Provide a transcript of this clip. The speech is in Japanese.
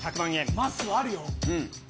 まっすー、あるよ。